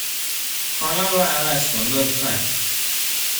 کانال را عوض کن، لطفا.